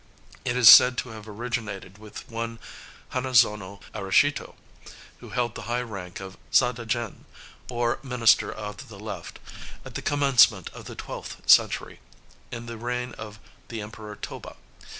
It is said to have originated with one Hanazono Arishito, who held the high rank of Sa Daijin, or "minister of the left," at the commencement of the twelfth century, in the reign of the Emperor Toba.